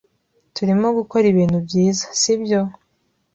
Turimo gukora ibintu byiza, sibyo?